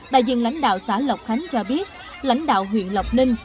đại diện lãnh đạo xã lộc khánh cho biết lãnh đạo huyện lộc ninh